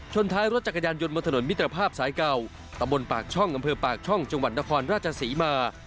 กล้าวเจอปีศาสตรีปริอภาพเลยกลับนะ